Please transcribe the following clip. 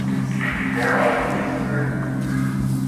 There are two versions.